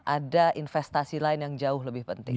ada investasi lain yang jauh lebih penting